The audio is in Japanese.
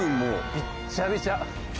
びっちゃびちゃ。